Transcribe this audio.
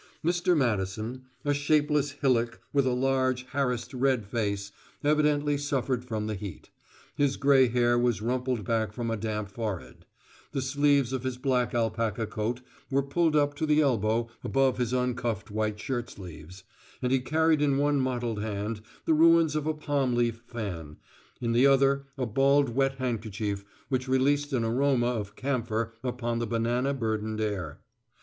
Mr. Madison, a shapeless hillock with a large, harassed, red face, evidently suffered from the heat: his gray hair was rumpled back from a damp forehead; the sleeves of his black alpaca coat were pulled up to the elbow above his uncuffed white shirtsleeves; and he carried in one mottled hand the ruins of a palm leaf fan, in the other a balled wet handkerchief which released an aroma of camphor upon the banana burdened air.